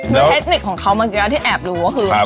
มีเทคนิคของเขาเมื่อกี้ที่แอบรู้ก็คือ